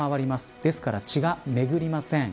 ですから血が巡りません。